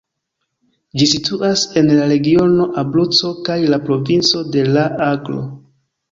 Ĝi situas en la regiono Abruco kaj la provinco de La-Aglo.